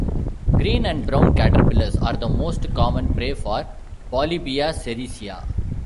Green and brown caterpillars are the most common prey for "Polybia sericea".